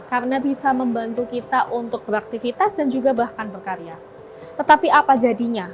karena bisa membantu kita untuk beraktivitas dan juga bahkan berkarya tetapi apa jadinya